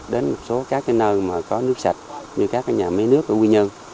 đến một số các cái nơi mà có nước sạch như các cái nhà máy nước ở quy nhơn